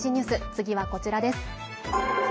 次は、こちらです。